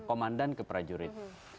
komandan ke prajurit